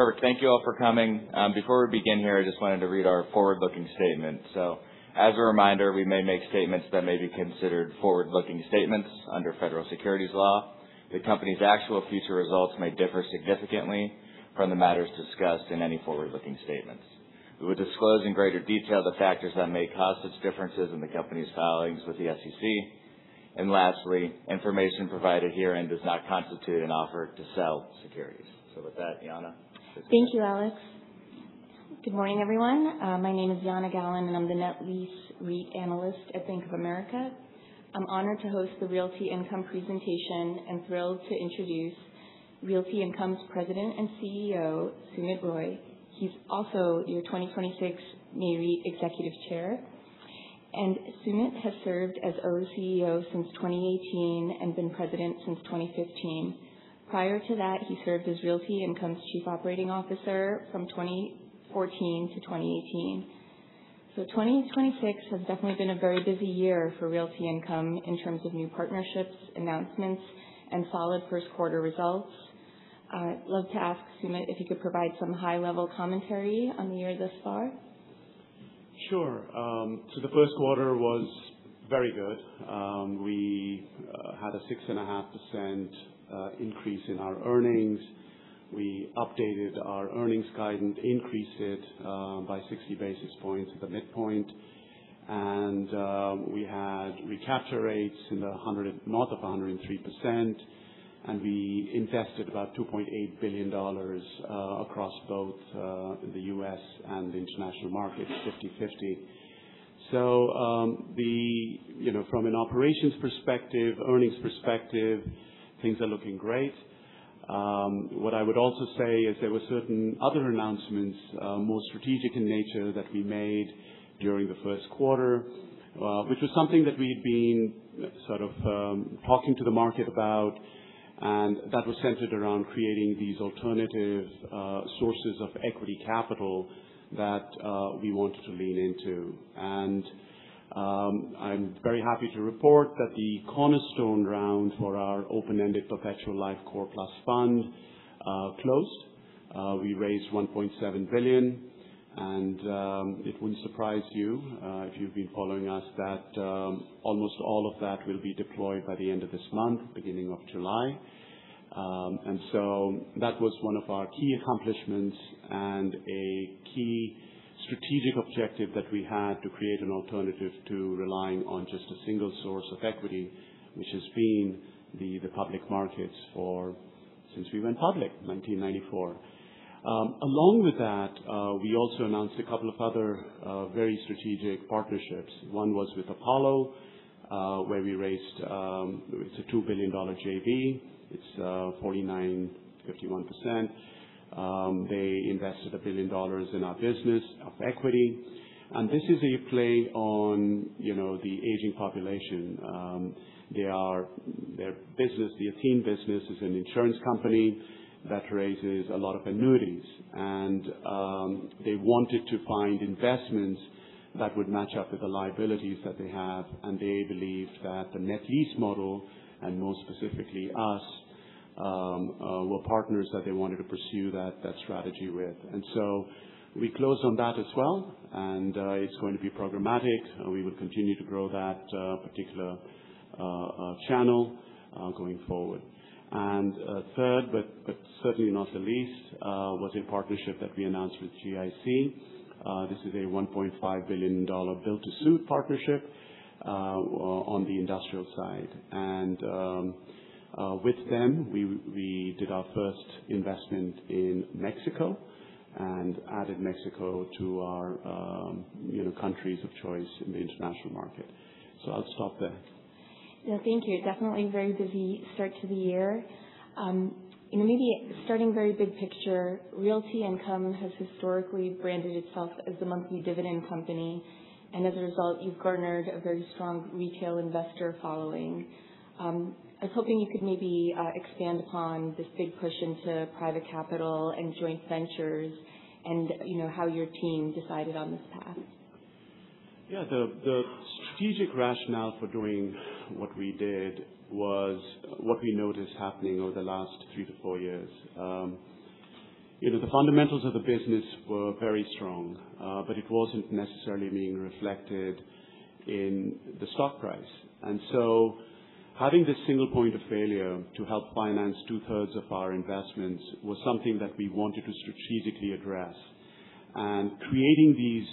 Perfect. Thank you all for coming. Before we begin here, I just wanted to read our forward-looking statement. As a reminder, we may make statements that may be considered forward-looking statements under federal securities law. The company's actual future results may differ significantly from the matters discussed in any forward-looking statements. We will disclose in greater detail the factors that may cause such differences in the company's filings with the SEC. Lastly, information provided herein does not constitute an offer to sell securities. With that, Jana, it's yours. Thank you, Alex. Good morning, everyone. My name is Jana Galan, and I'm the Net Lease REIT analyst at Bank of America. I'm honored to host the Realty Income presentation and thrilled to introduce Realty Income's President and CEO, Sumit Roy. He's also your 2026 Nareit Executive Chair, and Sumit has served as CEO since 2018 and been President since 2015. Prior to that, he served as Realty Income's Chief Operating Officer from 2014 to 2018. 2026 has definitely been a very busy year for Realty Income in terms of new partnerships, announcements, and solid first quarter results. I'd love to ask Sumit if you could provide some high-level commentary on the year thus far. Sure. The first quarter was very good. We had a 6.5% increase in our earnings. We updated our earnings guidance, increased it by 60 basis points at the midpoint. We had recapture rates north of 103%, and we invested about $2.8 billion across both the U.S. and the international market, 50/50. From an operations perspective, earnings perspective, things are looking great. What I would also say is there were certain other announcements, more strategic in nature, that we made during the first quarter, which was something that we'd been sort of talking to the market about, and that was centered around creating these alternative sources of equity capital that we wanted to lean into. I'm very happy to report that the cornerstone round for our open-ended perpetual Life Core Plus Fund closed. We raised $1.7 billion. It wouldn't surprise you if you've been following us that almost all of that will be deployed by the end of this month, beginning of July. That was one of our key accomplishments and a key strategic objective that we had to create an alternative to relying on just a single source of equity, which has been the public markets since we went public in 1994. Along with that, we also announced a couple of other very strategic partnerships. One was with Apollo, where we raised a $2 billion JV. It's 49/51%. They invested $1 billion in our business of equity. This is a play on the aging population. Their Athene business is an insurance company that raises a lot of annuities, and they wanted to find investments that would match up with the liabilities that they have. They believe that the net lease model, and more specifically us, were partners that they wanted to pursue that strategy with. We closed on that as well, and it's going to be programmatic, and we will continue to grow that particular channel going forward. Third, but certainly not the least, was a partnership that we announced with GIC. This is a $1.5 billion build-to-suit partnership on the industrial side. With them, we did our first investment in Mexico and added Mexico to our countries of choice in the international market. I'll stop there. Yeah, thank you. Definitely a very busy start to the year. Starting very big picture, Realty Income has historically branded itself as the monthly dividend company. As a result, you've garnered a very strong retail investor following. I was hoping you could maybe expand upon this big push into private capital and joint ventures and how your team decided on this path. Yeah. The strategic rationale for doing what we did was what we noticed happening over the last three to four years. The fundamentals of the business were very strong, it wasn't necessarily being reflected in the stock price. Having this single point of failure to help finance two-thirds of our investments was something that we wanted to strategically address. Creating these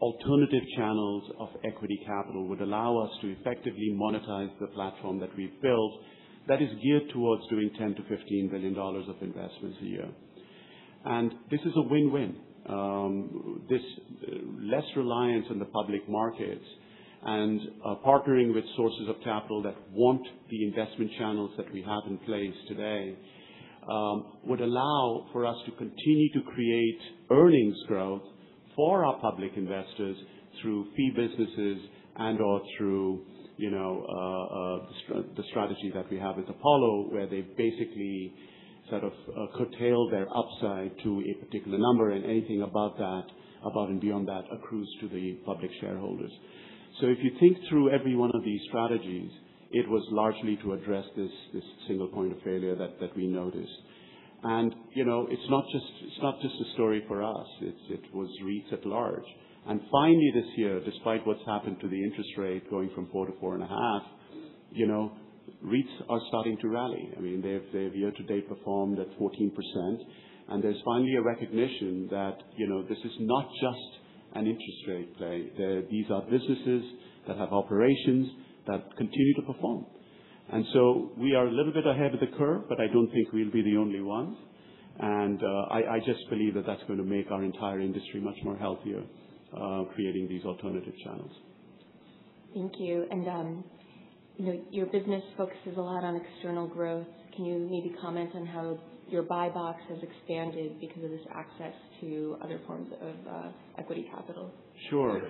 alternative channels of equity capital would allow us to effectively monetize the platform that we've built that is geared towards doing $10 billion-$15 billion of investments a year. This is a win-win. This less reliance on the public markets and partnering with sources of capital that want the investment channels that we have in place today would allow for us to continue to create earnings growth for our public investors through fee businesses and/or through the strategy that we have with Apollo, where they basically sort of curtail their upside to a particular number, and anything above and beyond that accrues to the public shareholders. If you think through every one of these strategies, it was largely to address this single point of failure that we noticed. It's not just a story for us, it was REITs at large. Finally, this year, despite what's happened to the interest rate going from 4 to 4.5, REITs are starting to rally. They've year-to-date performed at 14%, and there's finally a recognition that this is not just an interest rate play. These are businesses that have operations that continue to perform. We are a little bit ahead of the curve, but I don't think we'll be the only ones. I just believe that that's going to make our entire industry much more healthier, creating these alternative channels. Thank you. Your business focuses a lot on external growth. Can you maybe comment on how your buy box has expanded because of this access to other forms of equity capital? Sure.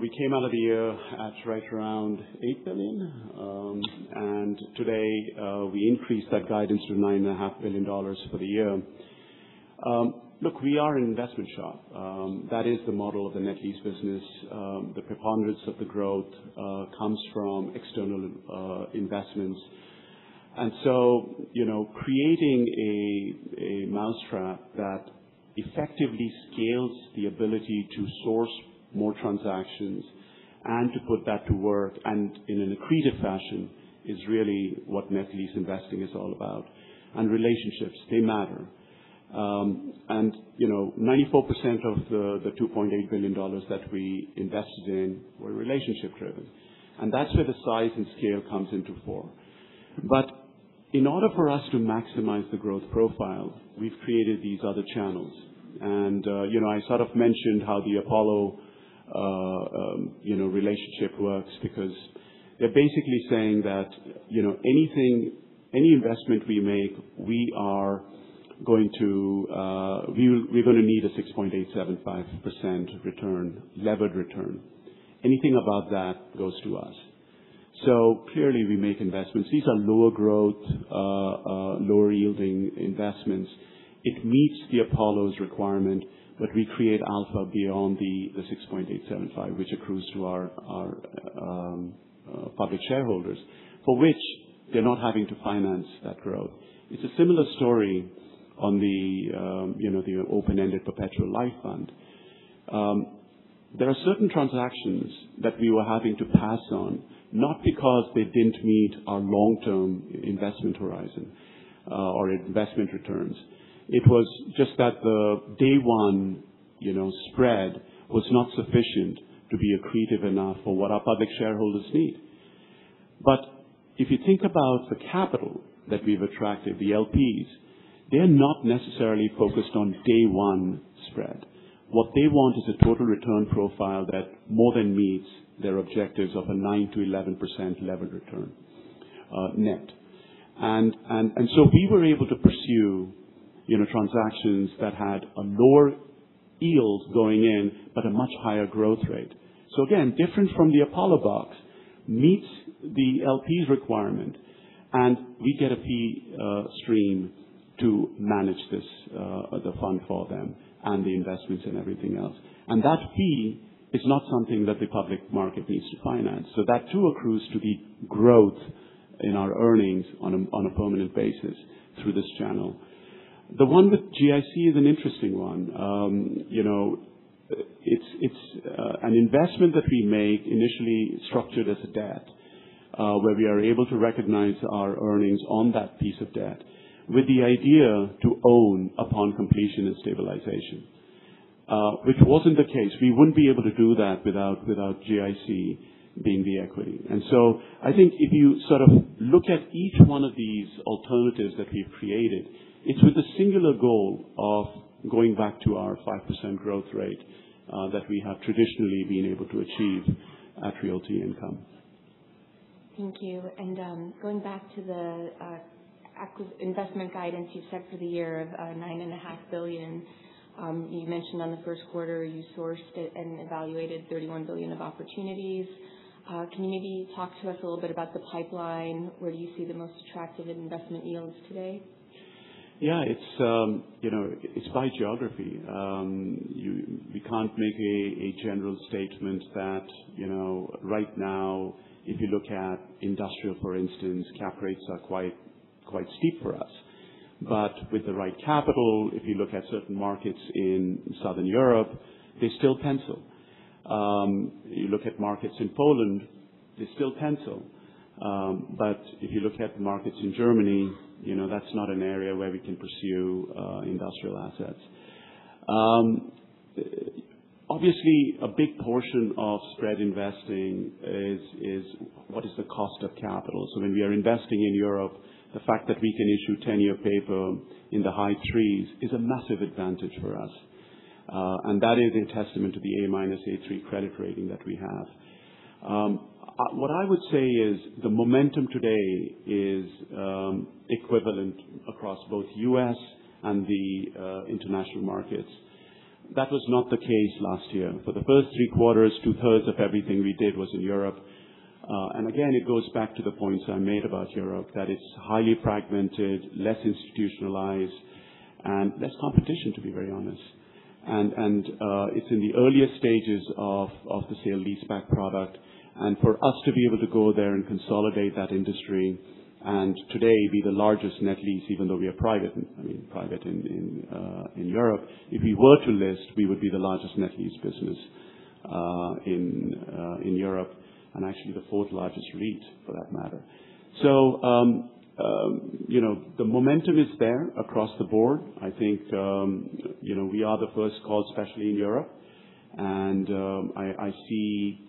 We came out of the year at right around $8 billion. Today, we increased that guidance to $9.5 billion for the year. Look, we are an investment shop. That is the model of the net lease business. The preponderance of the growth comes from external investments. Creating a mousetrap that effectively scales the ability to source more transactions and to put that to work and in an accretive fashion is really what net lease investing is all about. Relationships, they matter. 94% of the $2.8 billion that we invested in were relationship driven. That's where the size and scale comes into fore. In order for us to maximize the growth profile, we've created these other channels. I sort of mentioned how the Apollo relationship works, because they're basically saying that any investment we make, we're going to need a 6.875% levered return. Anything above that goes to us. Clearly we make investments. These are lower growth, lower yielding investments. It meets the Apollo's requirement, but we create alpha beyond the 6.875, which accrues to our public shareholders, for which they're not having to finance that growth. It's a similar story on the open-ended perpetual life fund. There are certain transactions that we were having to pass on, not because they didn't meet our long-term investment horizon, or investment returns. It was just that the day one spread was not sufficient to be accretive enough for what our public shareholders need. If you think about the capital that we've attracted, the LPs, they're not necessarily focused on day one spread. What they want is a total return profile that more than meets their objectives of a 9% to 11% levered return net. We were able to pursue transactions that had a lower yield going in, but a much higher growth rate. It again, different from the Apollo box, meets the LPs requirement, and we get a fee stream to manage the fund for them and the investments and everything else. That fee is not something that the public market needs to finance. That too accrues to the growth in our earnings on a permanent basis through this channel. The one with GIC is an interesting one. It's an investment that we made initially structured as a debt. Where we are able to recognize our earnings on that piece of debt with the idea to own upon completion and stabilization, which wasn't the case. We wouldn't be able to do that without GIC being the equity. I think if you sort of look at each one of these alternatives that we've created, it's with a singular goal of going back to our 5% growth rate, that we have traditionally been able to achieve at Realty Income. Thank you. Going back to the investment guidance you set for the year of $9.5 billion. You mentioned on the first quarter, you sourced it and evaluated $31 billion of opportunities. Can you maybe talk to us a little bit about the pipeline? Where do you see the most attractive investment yields today? Yeah. It's by geography. We can't make a general statement that right now, if you look at industrial for instance, cap rates are quite steep for us. With the right capital, if you look at certain markets in Southern Europe, they still pencil. You look at markets in Poland, they still pencil. If you look at markets in Germany, that's not an area where we can pursue industrial assets. Obviously, a big portion of spread investing is what is the cost of capital. When we are investing in Europe, the fact that we can issue 10-year paper in the high threes is a massive advantage for us. That is a testament to the A- S&P credit rating that we have. What I would say is the momentum today is equivalent across both U.S. and the international markets. That was not the case last year. For the first three quarters, two-thirds of everything we did was in Europe. Again, it goes back to the points I made about Europe, that it's highly fragmented, less institutionalized. That's competition, to be very honest. It's in the earliest stages of the sale leaseback product. For us to be able to go there and consolidate that industry and today be the largest net lease, even though we are private in Europe. If we were to list, we would be the largest net lease business in Europe and actually the fourth largest REIT for that matter. The momentum is there across the board. I think we are the first call, especially in Europe. I see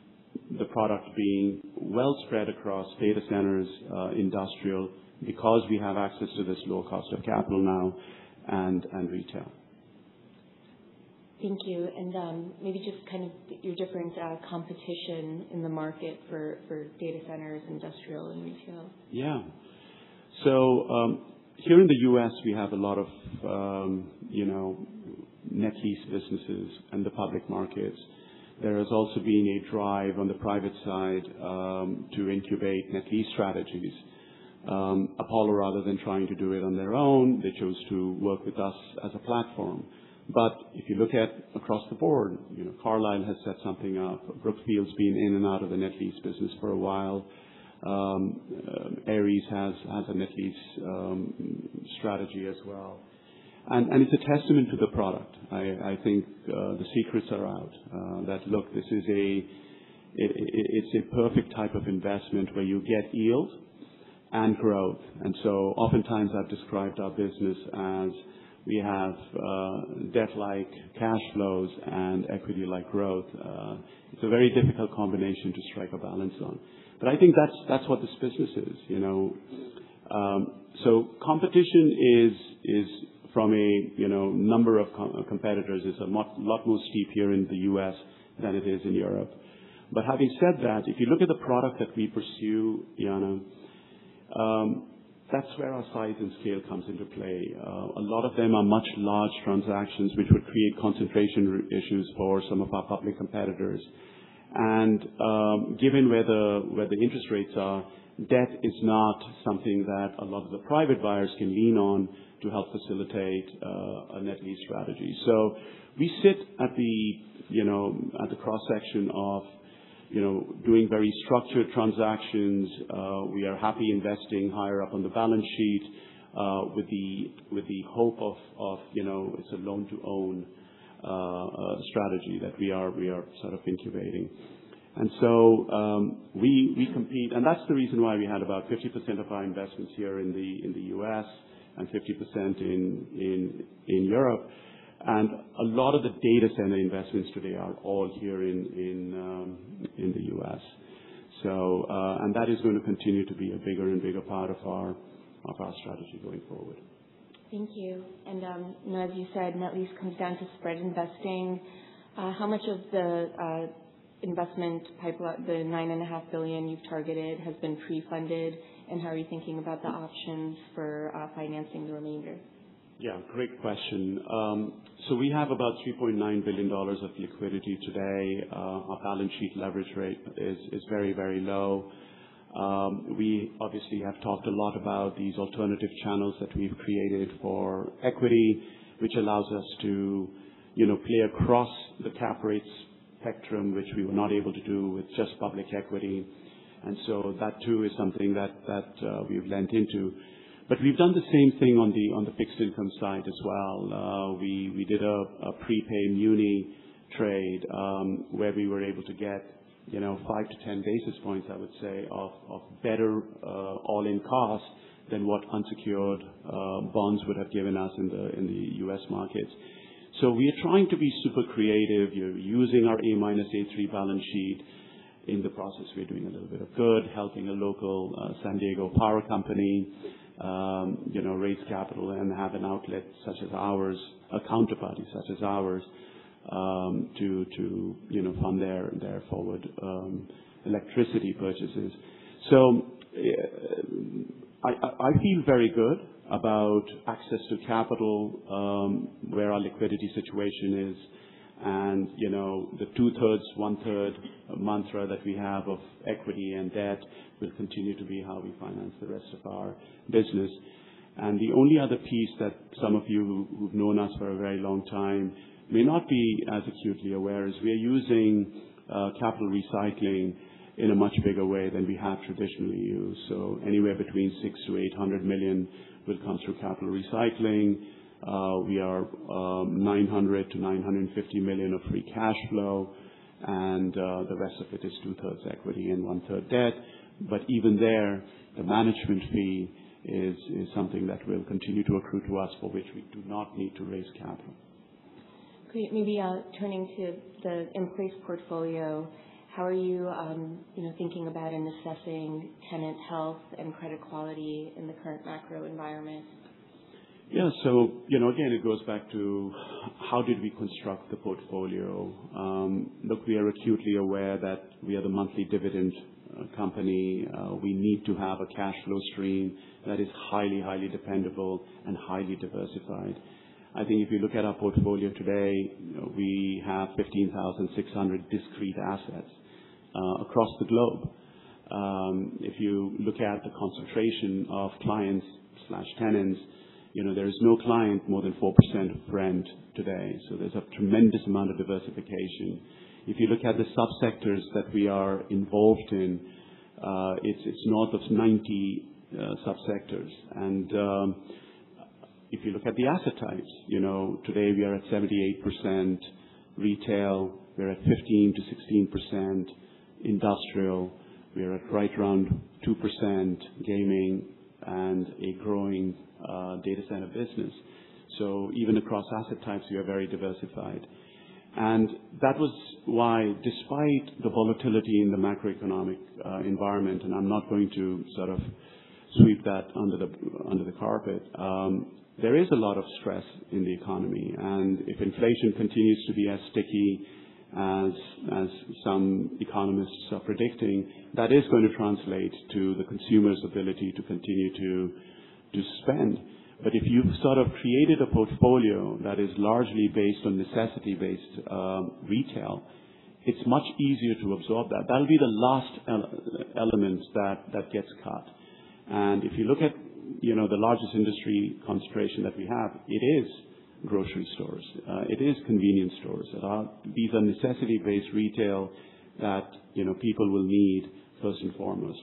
the product being well spread across data centers, industrial, because we have access to this low cost of capital now and retail. Thank you. Maybe just kind of your difference competition in the market for data centers, industrial, and retail? Yeah. Here in the U.S., we have a lot of net lease businesses in the public markets. There has also been a drive on the private side to incubate net lease strategies. Apollo, rather than trying to do it on their own, they chose to work with us as a platform. If you look at across the board, Carlyle has set something up. Brookfield's been in and out of the net lease business for a while. Ares has a net lease strategy as well. It's a testament to the product. I think the secrets are out. That, look, it's a perfect type of investment where you get yield and growth. Oftentimes I've described our business as we have debt-like cash flows and equity-like growth. It's a very difficult combination to strike a balance on. I think that's what this business is. Competition is from a number of competitors. It's a lot more steep here in the U.S. than it is in Europe. Having said that, if you look at the product that we pursue, Jana, that's where our size and scale comes into play. A lot of them are much large transactions, which would create concentration issues for some of our public competitors. Given where the interest rates are, debt is not something that a lot of the private buyers can lean on to help facilitate a net lease strategy. We sit at the cross-section of doing very structured transactions. We are happy investing higher up on the balance sheet, with the hope of it's a loan-to-own strategy that we are sort of incubating. We compete, and that's the reason why we had about 50% of our investments here in the U.S. and 50% in Europe. A lot of the data center investments today are all here in the U.S. That is going to continue to be a bigger and bigger part of our strategy going forward. Thank you. As you said, net lease comes down to spread investing. How much of the investment pipeline, the $9.5 billion you've targeted, has been pre-funded? How are you thinking about the options for financing the remainder? Yeah, great question. We have about $3.9 billion of liquidity today. Our balance sheet leverage rate is very low. We obviously have talked a lot about these alternative channels that we've created for equity, which allows us to play across the cap rates spectrum, which we were not able to do with just public equity. That too is something that we've leant into. We've done the same thing on the fixed income side as well. We did a prepaid muni trade, where we were able to get 5-10 basis points, I would say, of better all-in cost than what unsecured bonds would have given us in the U.S. markets. We are trying to be super creative. We're using our A-/A3 balance sheet. In the process, we're doing a little bit of good, helping a local San Diego power company raise capital and have an outlet such as ours, a counterparty such as ours, to fund their forward electricity purchases. I feel very good about access to capital, where our liquidity situation is. The two-thirds, one-third mantra that we have of equity and debt will continue to be how we finance the rest of our business. The only other piece that some of you who've known us for a very long time may not be as acutely aware is we are using capital recycling in a much bigger way than we have traditionally used. Anywhere between $600 million-$800 million will come through capital recycling. We are $900 million-$950 million of free cash flow. The rest of it is two-thirds equity and one-third debt. Even there, the management fee is something that will continue to accrue to us, for which we do not need to raise capital. Great. Maybe turning to the increased portfolio. How are you thinking about and assessing tenant health and credit quality in the current macro environment? Yeah. Again, it goes back to how did we construct the portfolio? Look, we are acutely aware that we are the monthly dividend company. We need to have a cash flow stream that is highly dependable and highly diversified. I think if you look at our portfolio today, we have 15,600 discrete assets across the globe. If you look at the concentration of clients/tenants, there is no client more than 4% of rent today. There's a tremendous amount of diversification. If you look at the sub-sectors that we are involved in, it's north of 90 sub-sectors. If you look at the asset types, today we are at 78% retail. We're at 15%-16% industrial. We are at right around 2% gaming and a growing data center business. Even across asset types, we are very diversified. That was why, despite the volatility in the macroeconomic environment, I'm not going to sort of sweep that under the carpet, there is a lot of stress in the economy. If inflation continues to be as sticky as some economists are predicting, that is going to translate to the consumer's ability to continue to spend. If you've sort of created a portfolio that is largely based on necessity-based retail, it's much easier to absorb that. That'll be the last element that gets cut. If you look at the largest industry concentration that we have, it is grocery stores, it is convenience stores. These are necessity-based retail that people will need first and foremost.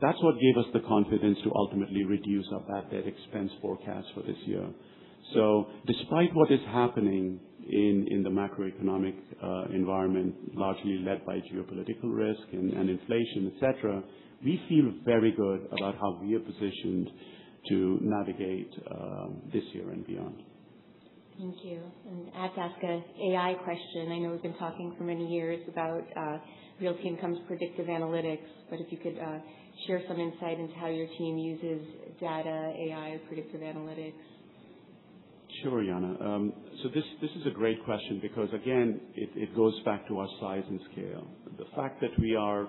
That's what gave us the confidence to ultimately reduce our bad debt expense forecast for this year. Despite what is happening in the macroeconomic environment, largely led by geopolitical risk and inflation, et cetera, we feel very good about how we are positioned to navigate this year and beyond. Thank you. I have to ask an AI question. I know we've been talking for many years about Realty Income's predictive analytics, if you could share some insight into how your team uses data AI predictive analytics. Sure, Jana. This is a great question because, again, it goes back to our size and scale. The fact that we are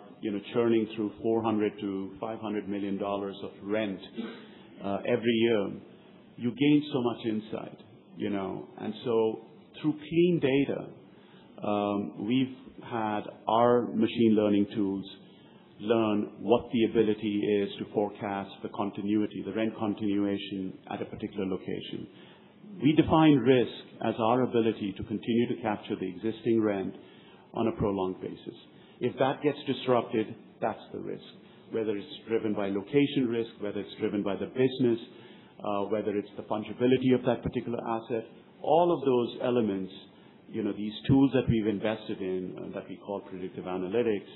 churning through $400 million-$500 million of rent every year, you gain so much insight. Through clean data, we've had our machine learning tools learn what the ability is to forecast the continuity, the rent continuation at a particular location. We define risk as our ability to continue to capture the existing rent on a prolonged basis. If that gets disrupted, that's the risk. Whether it's driven by location risk, whether it's driven by the business, whether it's the fungibility of that particular asset, all of those elements, these tools that we've invested in that we call predictive analytics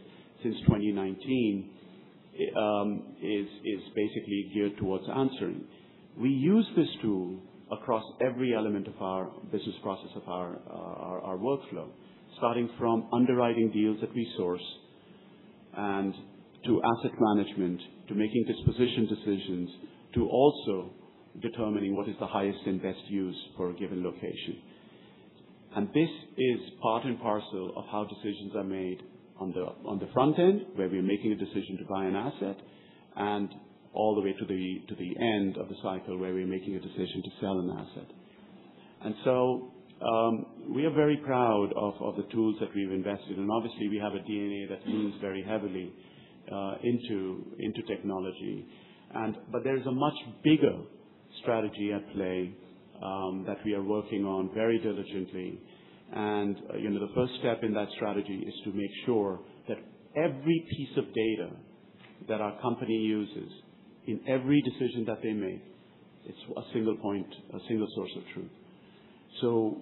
since 2019, is basically geared towards answering. We use this tool across every element of our business process of our workflow, starting from underwriting deals that we source and to asset management, to making disposition decisions, to also determining what is the highest and best use for a given location. This is part and parcel of how decisions are made on the front end, where we're making a decision to buy an asset, and all the way to the end of the cycle where we're making a decision to sell an asset. We are very proud of the tools that we've invested in. Obviously, we have a DNA that leans very heavily into technology. There is a much bigger strategy at play, that we are working on very diligently. The first step in that strategy is to make sure that every piece of data that our company uses in every decision that they make, it's a single point, a single source of truth.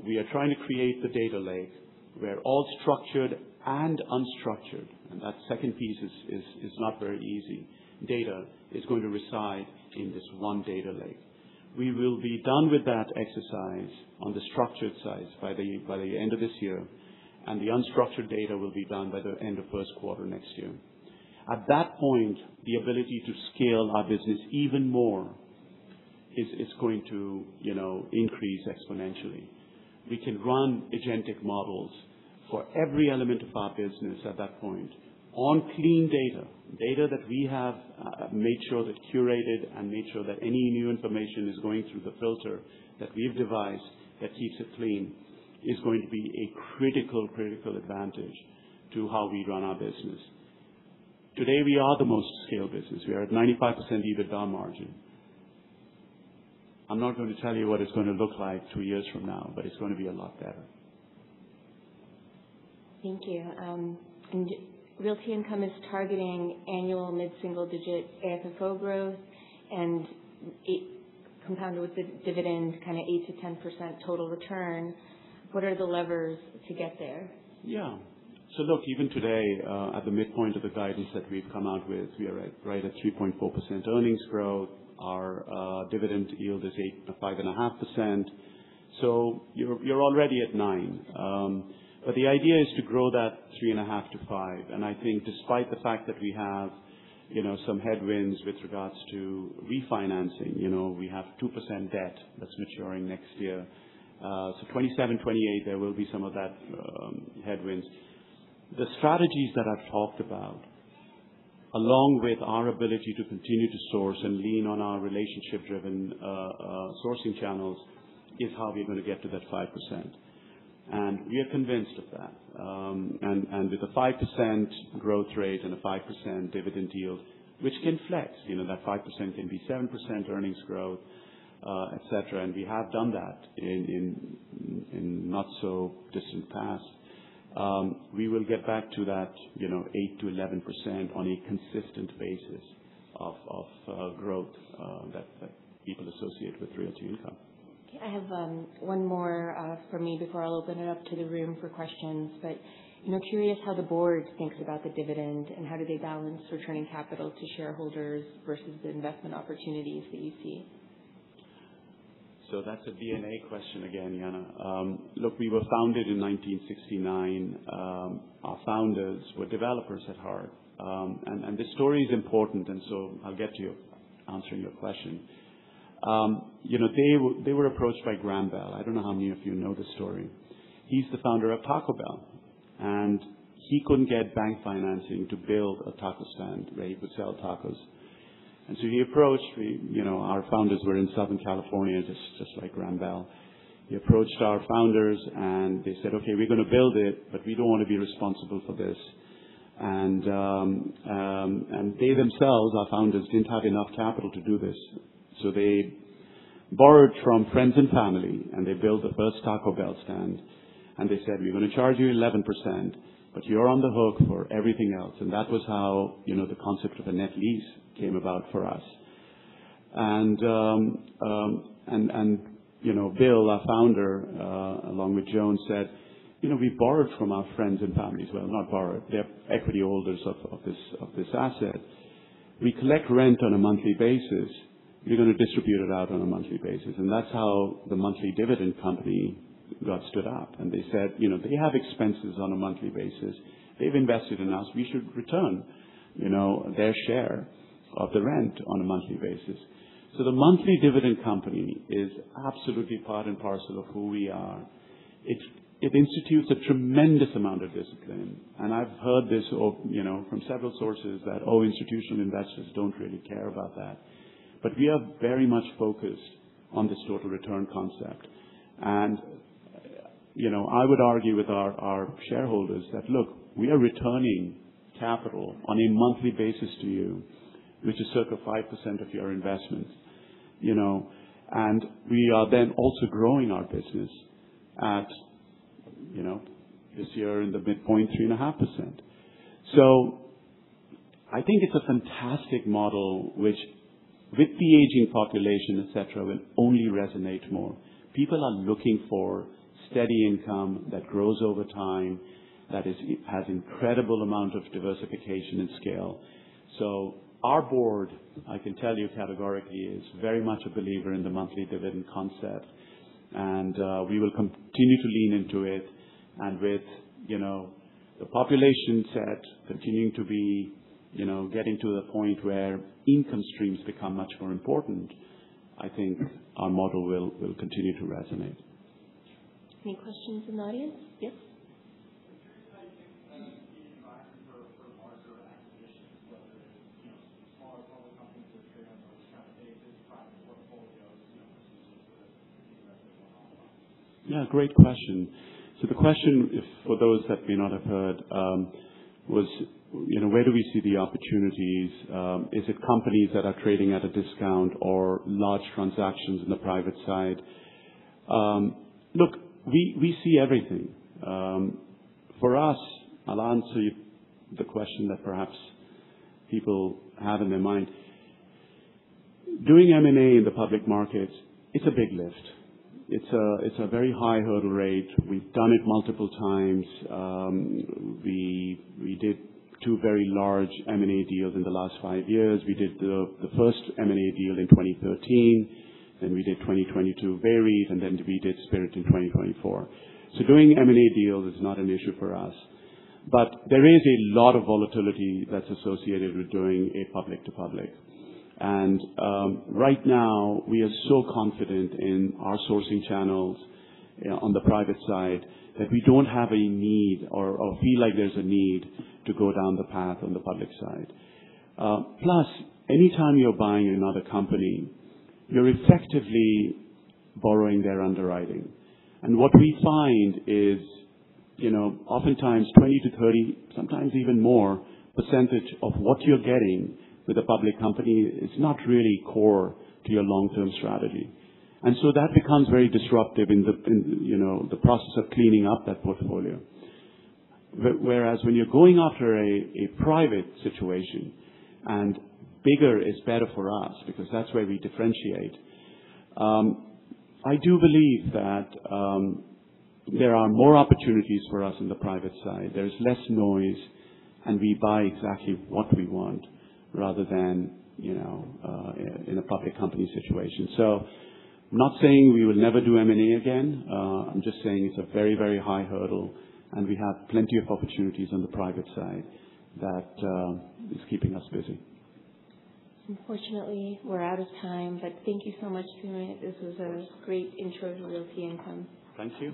We are trying to create the data lake where all structured and unstructured, and that second piece is not very easy, data is going to reside in this one data lake. We will be done with that exercise on the structured side by the end of this year, the unstructured data will be done by the end of first quarter next year. At that point, the ability to scale our business even more is going to increase exponentially. We can run agentic models for every element of our business at that point on clean data. Data that we have made sure that curated and made sure that any new information is going through the filter that we've devised that keeps it clean, is going to be a critical advantage to how we run our business. Today, we are the most scaled business. We are at 95% EBITDA margin. I'm not going to tell you what it's going to look like two years from now, but it's going to be a lot better. Thank you. Realty Income is targeting annual mid-single-digit AFFO growth and compounded with dividends, kind of 8%-10% total return. What are the levers to get there? Look, even today, at the midpoint of the guidance that we've come out with, we are right at 3.4% earnings growth. Our dividend yield is 5.5%. You're already at nine. The idea is to grow that three and a half to five, and I think despite the fact that we have some headwinds with regards to refinancing. We have 2% debt that's maturing next year. 2027, 2028, there will be some of that headwinds. The strategies that I've talked about, along with our ability to continue to source and lean on our relationship driven sourcing channels, is how we're going to get to that 5%. We are convinced of that. With a 5% growth rate and a 5% dividend yield, which can flex, that 5% can be 7% earnings growth, et cetera, and we have done that in not so distant past. We will get back to that 8%-11% on a consistent basis of growth that people associate with Realty Income. Okay. I have one more from me before I open it up to the room for questions. I'm curious how the board thinks about the dividend, and how do they balance returning capital to shareholders versus the investment opportunities that you see? That's a DNA question again, Jana. Look, we were founded in 1969. Our founders were developers at heart. This story is important, I'll get to answering your question. They were approached by Glen Bell. I don't know how many of you know this story. He's the founder of Taco Bell. He couldn't get bank financing to build a taco stand where he would sell tacos. He approached our founders, who were in Southern California, just like Glen Bell. He approached our founders, and they said, "Okay, we're going to build it, but we don't want to be responsible for this." They themselves, our founders, didn't have enough capital to do this. They borrowed from friends and family, and they built the first Taco Bell stand, and they said, "We're going to charge you 11%, but you're on the hook for everything else." That was how the concept of a net lease came about for us. Bill, our founder, along with Joan said, "We borrowed from our friends and families." Well, not borrowed, they're equity holders of this asset. "We collect rent on a monthly basis. We're going to distribute it out on a monthly basis." That's how the monthly dividend company got stood up. They said, "They have expenses on a monthly basis. They've invested in us. We should return their share of the rent on a monthly basis." The monthly dividend company is absolutely part and parcel of who we are. It institutes a tremendous amount of discipline. I've heard this from several sources that all institutional investors don't really care about that. We are very much focused on this total return concept. I would argue with our shareholders that, look, we are returning capital on a monthly basis to you, which is sort of 5% of your investment. We are then also growing our business at, this year in the midpoint, 3.5%. I think it's a fantastic model which, with the aging population, et cetera, will only resonate more. People are looking for steady income that grows over time, that has incredible amount of diversification and scale. Our board, I can tell you categorically, is very much a believer in the monthly dividend concept. We will continue to lean into it. With the population set continuing to be getting to the point where income streams become much more important, I think our model will continue to resonate. Any questions from the audience? Yes. I'm curious how you think the environment for larger acquisitions, whether it's smaller public companies that you're able to kind of take these private portfolios, you know, versus the investment? Yeah, great question. The question is, for those that may not have heard, was where do we see the opportunities? Is it companies that are trading at a discount or large transactions in the private side? Look, we see everything. For us, I'll answer the question that perhaps people have in their mind. Doing M&A in the public markets, it's a big lift. It's a very high hurdle rate. We've done it multiple times. We did two very large M&A deals in the last five years. We did the first M&A deal in 2013, then we did 2022, VEREIT, and then we did Spirit in 2024. Doing M&A deals is not an issue for us. There is a lot of volatility that's associated with doing a public to public. Right now we are so confident in our sourcing channels on the private side that we don't have a need or feel like there's a need to go down the path on the public side. Plus, anytime you're buying another company, you're effectively borrowing their underwriting. What we find is, oftentimes 20%-30%, sometimes even more % of what you're getting with a public company is not really core to your long-term strategy. That becomes very disruptive in the process of cleaning up that portfolio. Whereas when you're going after a private situation, and bigger is better for us because that's where we differentiate. I do believe that there are more opportunities for us in the private side. There is less noise, and we buy exactly what we want rather than in a public company situation. I'm not saying we will never do M&A again. I'm just saying it's a very high hurdle, and we have plenty of opportunities on the private side. That is keeping us busy. Unfortunately, we're out of time. Thank you so much, Sumit. This was a great intro to Realty Income. Thank you.